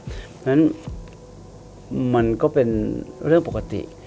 เพราะฉะนั้นมันก็เป็นเรื่องปกติ